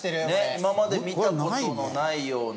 今まで見た事のないような。